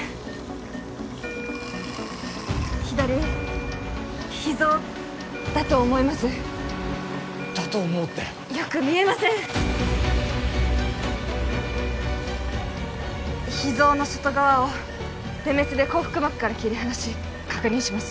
左脾臓だと思いますだと思うってよく見えません脾臓の外側を電メスで後腹膜から切り離し確認します